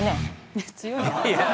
いや強い。